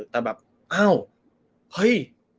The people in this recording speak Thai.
แต่แบบเฮ่ย